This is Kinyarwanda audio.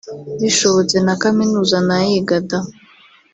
Bishobotse na kaminuza nayiga da